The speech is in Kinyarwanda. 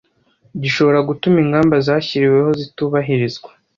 gishobora gutuma ingamba zashyiriweho zitubahirizwa